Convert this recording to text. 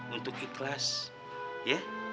untuk ikhlas ya